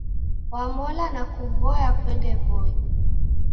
Wamola nakuvoya kuende W'oi